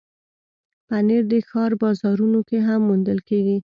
پنېر د ښار بازارونو کې هم موندل کېږي.